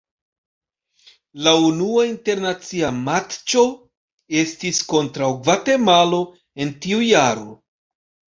La unua internacia matĉo estis kontraŭ Gvatemalo en tiu jaro.